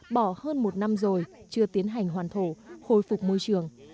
bỏ hơn một năm rồi chưa tiến hành hoàn thổ hồi phục môi trường